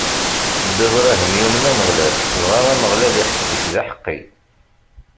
Dda Bṛahim yumen Ameɣlal, dɣa Ameɣlal iḥesb-it d aḥeqqi.